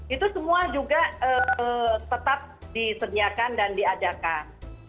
itu semua juga tetap disediakan dan diadakan